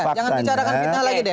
jangan bicarakan kita lagi deh